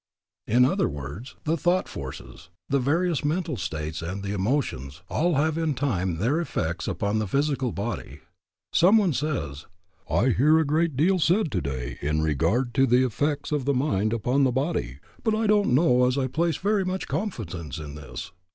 In other words, the thought forces, the various mental states and the emotions, all have in time their effects upon the physical body. Some one says: "I hear a great deal said today in regard to the effects of the mind upon the body, but I don't know as I place very much confidence in this."